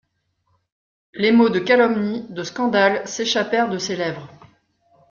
Les mots de calomnie, de scandale s'échappèrent de ses lèvres.